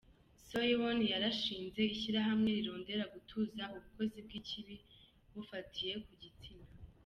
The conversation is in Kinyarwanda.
Soo-yeon yarashinze ishirahamwe rirondera gutuza ubukozi bw'ikibi bufatiye ku gitsina.